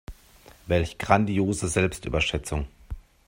Welch grandiose Selbstüberschätzung.